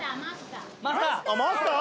マスター？